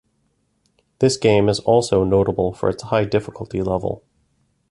This game is also notable for its high difficulty level.